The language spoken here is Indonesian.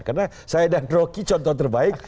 karena saya dan rocky contoh terbaik